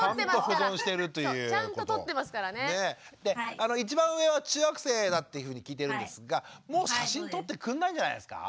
で一番上は中学生だっていうふうに聞いてるんですがもう写真撮ってくんないんじゃないですか？